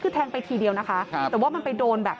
คือแทงไปทีเดียวนะคะแต่ว่ามันไปโดนแบบ